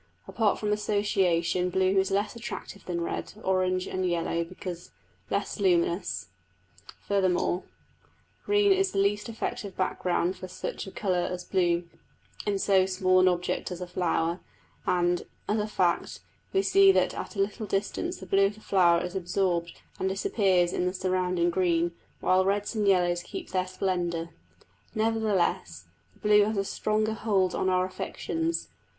Apart from association blue is less attractive than red, orange, and yellow, because less luminous; furthermore green is the least effective background for such a colour as blue in so small an object as a flower; and, as a fact, we see that at a little distance the blue of the flower is absorbed and disappears in the surrounding green, while reds and yellows keep their splendour. Nevertheless the blue has a stronger hold on our affections.